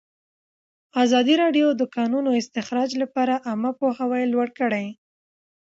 ازادي راډیو د د کانونو استخراج لپاره عامه پوهاوي لوړ کړی.